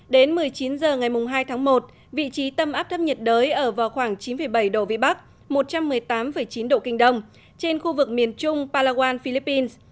đến một mươi chín h ngày hai tháng một vị trí tâm áp thấp nhiệt đới ở vào khoảng chín bảy độ vĩ bắc một trăm một mươi tám chín độ kinh đông trên khu vực miền trung palawan philippines